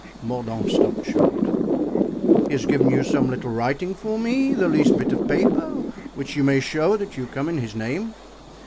Mordaunt stopped short. "He has given you some little writing for me—the least bit of paper which may show that you come in his name.